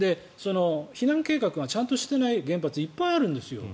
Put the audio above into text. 避難計画がちゃんとしていない原発いっぱいあるんですよ。